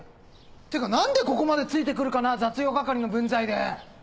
てか何でここまでついて来るかな雑用係の分際で。